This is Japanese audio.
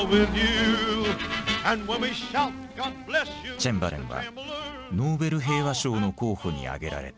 チェンバレンはノーベル平和賞の候補に挙げられた。